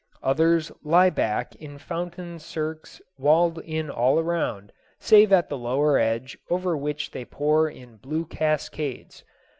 Others lie back in fountain cirques walled in all around save at the lower edge over which they pour in blue cascades.